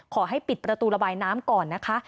ขอให้ปิดประตูระบายน้ำก่อนนะคะ